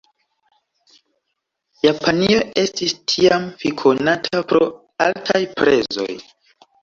Japanio estis tiam fikonata pro altaj prezoj.